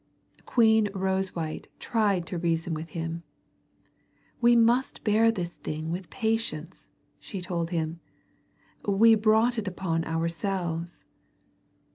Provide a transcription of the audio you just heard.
Queen Rosewhite tried to reason with him. "We must bear this thing with patience," she told him. "We brought it upon ourselves."